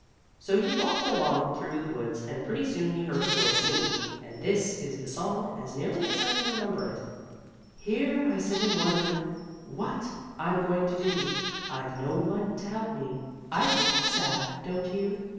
So he walked along through the woods, and pretty soon he heard a voice singing, and this is the song, as nearly as I can remember it: Here I sit and wonder What I'm going to do. I've no one to help me, I think it's sad; don't you?